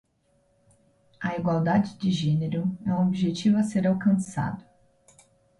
A igualdade de gênero é um objetivo a ser alcançado.